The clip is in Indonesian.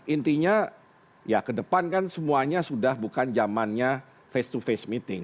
intinya ya ke depan kan semuanya sudah bukan zamannya face to face meeting